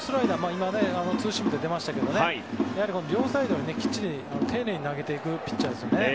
今、ツーシームって出ましたけど両サイドにきっちり丁寧に投げていくピッチャーですよね。